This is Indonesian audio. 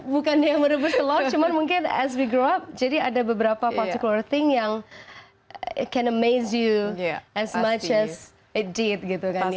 bukan merebus telor cuman mungkin as we grow up jadi ada beberapa particular thing yang can amaze you as much as it did gitu kan ya